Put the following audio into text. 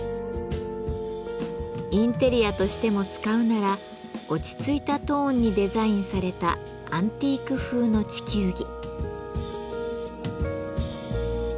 インテリアとしても使うなら落ち着いたトーンにデザインされたアンティーク風の地球儀。